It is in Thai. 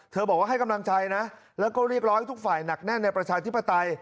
บอกว่าให้กำลังใจนะแล้วก็เรียกร้องให้ทุกฝ่ายหนักแน่นในประชาธิปไตย